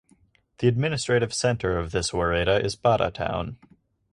The administrative center of this woreda is Bada Town.